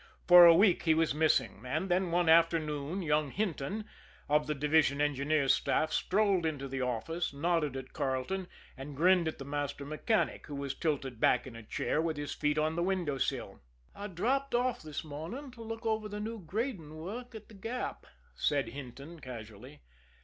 For a week he was missing, and then one afternoon young Hinton, of the division engineer's staff, strolled into the office, nodded at Carleton, and grinned at the master mechanic, who was tilted back in a chair with his feet on the window sill. "I dropped off this morning to look over the new grading work at The Gap," said Hinton casually.